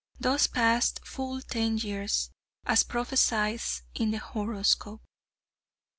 Thus passed full ten years, as prophesied in the horoscope.